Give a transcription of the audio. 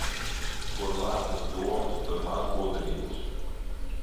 Kur lepnas domas, tur maz gudrības.